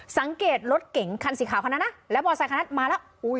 สังเกตรถเก๋งคันสีขาวคนนั้นนะแล้วมอเซคันนั้นมาแล้ว